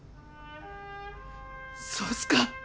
そうっすか？